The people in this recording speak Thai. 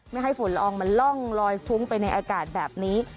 ไม่ให้ฝุ่นละอองมันล่องลอยฟุ้งไปในอากาศแบบนี้